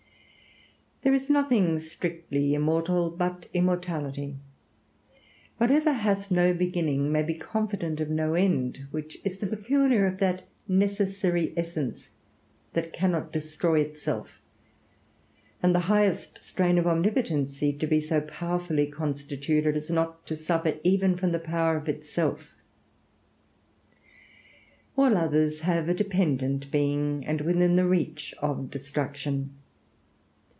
There is nothing strictly immortal but immortality. Whatever hath no beginning may be confident of no end, which is the peculiar of that necessary essence that cannot destroy itself, and the highest strain of omnipotency to be so powerfully constituted, as not to suffer even from the power of itself. All others have a dependent being, and within the reach of destruction.